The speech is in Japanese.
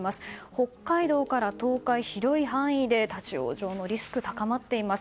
北海道から東海の広い範囲で立ち往生のリスクが高まっています。